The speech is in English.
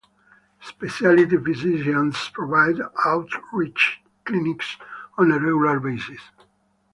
Speciality physicians provide outreach clinics on a regular basis.